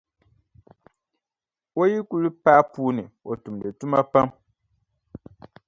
O yi kuli paai puu ni, o tumdi tuma pam.